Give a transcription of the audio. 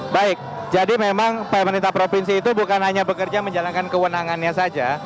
baik jadi memang pemerintah provinsi itu bukan hanya bekerja menjalankan kewenangannya saja